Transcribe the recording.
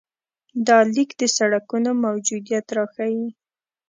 دا لیک د سړکونو موجودیت راښيي.